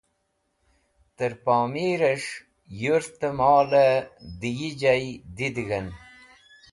Tẽr pomerẽs̃h yurtẽ molẽ dẽ yi jay didighẽn,